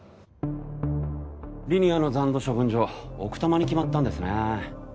リニアの残土処分場奥多摩に決まったんですね。